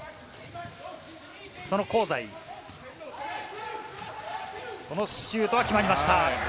その香西、このシュートが決まりました。